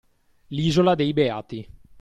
L’isola dei Beati